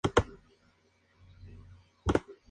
Tiene obra de mampostería de piedra y de sillares en los lados.